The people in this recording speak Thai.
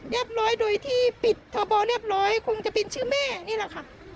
ร้อยโดยที่ปิดทบเรียบร้อยคงจะเป็นชื่อแม่นี่แหละค่ะ